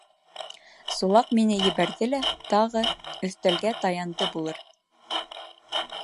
Сулаҡ мине ебәрҙе лә тағы өҫтәлгә таянды булыр: